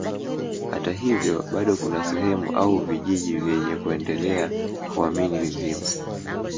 Hata hivyo bado kuna sehemu au vijiji vyenye kuendelea kuamini mizimu